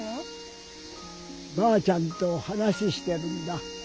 ばあちゃんと話してるんだ。